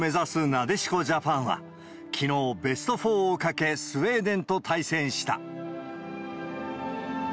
なでしこジャパンは、きのう、ベスト４を懸け、スウェーデンと対戦した。